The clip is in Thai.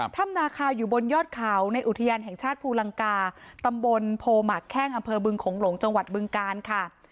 ถ้ำนาคาอยู่บนยอดเขาในอุทยานแห่งชาติภูลังกาตำบลโพหมักแข้งอำเภอบึงโขงหลงจังหวัดบึงกาลค่ะ